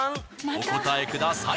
お答えください。